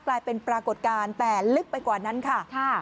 กลายเป็นปรากฏการณ์แต่ลึกไปกว่านั้นค่ะ